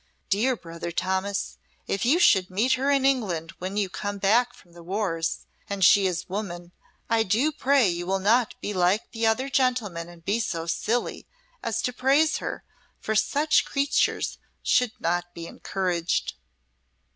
Dere brother Thomas, if you should meet her in England when you come back from the wars, and she is a woman, I do pray you will not be like the other gentlemen and be so silly as to praise her, for such creatures should not be encorragd."